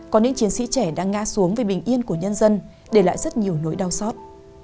còn những chiến sĩ trẻ đang ngã xuống về bình yên của nhân dân để lại rất nhiều nỗi đau xót